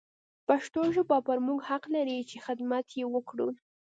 پښتو ژبه پر موږ حق لري چې حدمت يې وکړو.